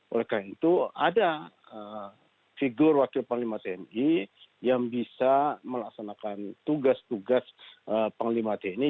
oleh karena itu ada figur wakil panglima tni yang bisa melaksanakan tugas tugas panglima tni